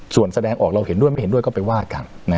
ส่วนแสดงออกเราเห็นด้วยไม่เห็นด้วยก็ไปว่ากัน